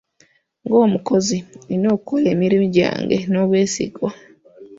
Ng'omukozi nnina okukola emirimu gyange n'obwesigwa.